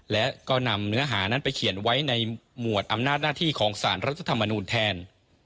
และก็นำเนื้อหานั้นไปเขียนไว้ในหมวดอำนาจหน้าที่ของสารรัฐธรรมนูลแทน